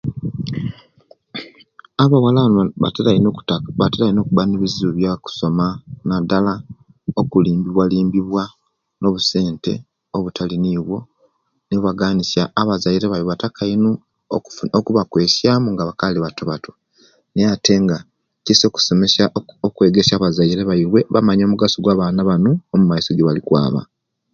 Abawala abo batira ino okuta batera ino okuba nebizibu ebyokusoma nadala okulimbiwa limbiwa nobusente obutali nibwo nibubaganisiya, abazaire bataka ino okubakwesya mu nga bakali batobato naye ate nga kisa okusomesa okwegesya abazaire bawe bamanye omugaso gwa baana banu maiso ejibalikwaba